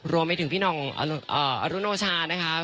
รวมไปถึงพี่น้องอรุโนช่า